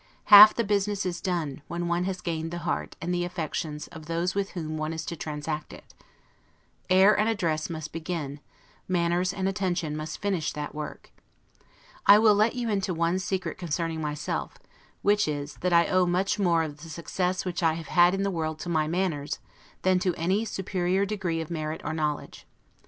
Half the business is done, when one has gained the heart and the affections of those with whom one is to transact it. Air and address must begin, manners and attention must finish that work. I will let you into one secret concerning myself; which is, that I owe much more of the success which I have had in the world to my manners, than to any superior degree of merit or knowledge.